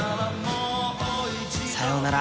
さようなら。